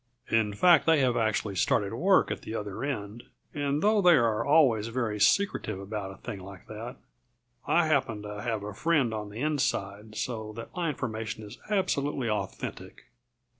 In fact, they have actually started work at the other end, and though they are always very secretive about a thing like that, I happen to have a friend on the inside, so that my information is absolutely authentic.